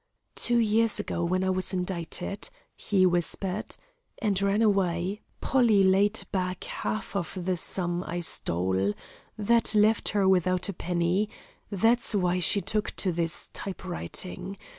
"Two years ago, when I was indicted," he whispered, "and ran away, Polly paid back half of the sum I stole. That left her without a penny; that's why she took to this typewriting.